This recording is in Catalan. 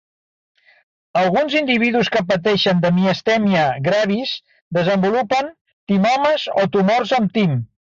Alguns individus que pateixen de miastènia gravis desenvolupen timomes o tumors en tim.